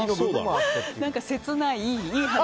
何か切ない、いい話。